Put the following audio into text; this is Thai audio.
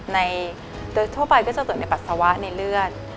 โดยทั่วไปก็จะตรวจในปัสสาวะในเลือด